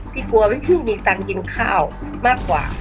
พี่กลัวว่าไม่เพิ่งมีเงินกินข้าวมากกว่า